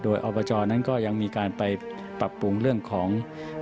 โดยอบจนั้นก็ยังมีการไปปรับปรุงเรื่องของ